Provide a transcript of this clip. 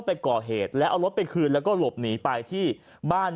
ไปก่อเหตุแล้วเอารถไปคืนแล้วก็หลบหนีไปที่บ้าน